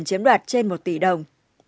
ngoan đã được chiếm đoạt trên một tỷ đồng